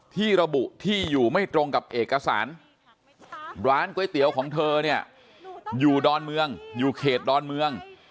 ที่ระบุที่อยู่ไม่ตรงกับเอกสารร้านก๋วยเตี๋ยวของเธอเนี่ยอยู่ดอนเมืองอยู่เขตดอนเมือง